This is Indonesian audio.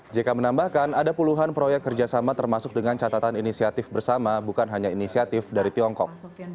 jk menambahkan ada puluhan proyek kerjasama termasuk dengan catatan inisiatif bersama bukan hanya inisiatif dari tiongkok